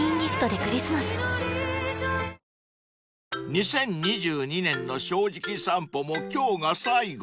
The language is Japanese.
［２０２２年の『正直さんぽ』も今日が最後］